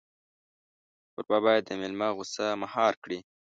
کوربه باید د مېلمه غوسه مهار کړي.